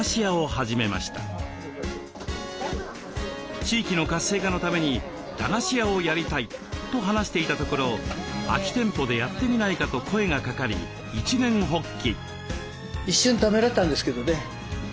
地域の活性化のために駄菓子屋をやりたいと話していたところ空き店舗でやってみないかと声がかかり一念発起。